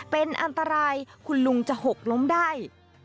เป็นอันตรายคุณลุงจะหกล้มได้